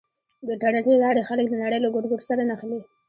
د انټرنېټ له لارې خلک د نړۍ له ګوټ ګوټ سره نښلي.